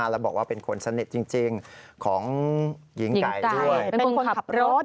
แล้วบอกว่าเป็นคนสนิทจริงของหญิงไก่ด้วย